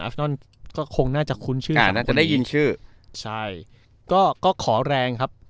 นอนก็คงน่าจะคุ้นชื่ออาจจะได้ยินชื่อใช่ก็ก็ขอแรงครับ